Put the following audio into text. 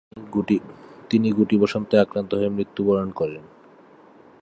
তিনি গুটিবসন্তে আক্রান্ত হয়ে মৃত্যুবরণ করেন।